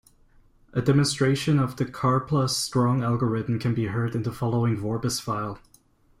A demonstration of the Karplus-Strong algorithm can be heard in the following Vorbis file.